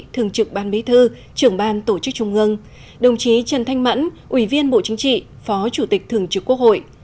thường trực ban bí thư trưởng ban tổ chức trung ương đồng chí trần thanh mẫn ủy viên bộ chính trị phó chủ tịch thường trực quốc hội